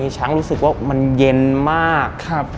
ช้างรู้สึกว่ามันเย็นมาก